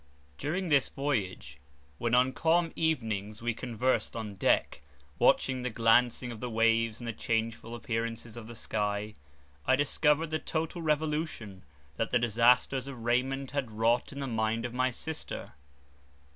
During this voyage, when on calm evenings we conversed on deck, watching the glancing of the waves and the changeful appearances of the sky, I discovered the total revolution that the disasters of Raymond had wrought in the mind of my sister.